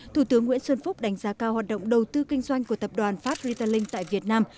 thủ tướng nguyễn xuân phúc đánh giá cao hoạt động đầu tư kinh doanh của tập đoàn fart retaling tại việt nam